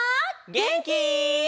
げんき？